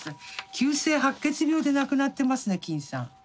急性白血病で亡くなってますね金さん。